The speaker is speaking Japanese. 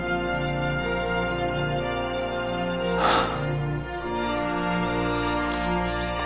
はあ。